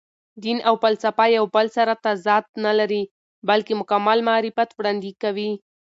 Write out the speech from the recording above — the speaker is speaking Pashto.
دین او فلسفه یو بل سره تضاد نه لري، بلکې مکمل معرفت وړاندې کوي.